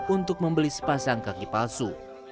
untuk membeli sepasang kaki palsu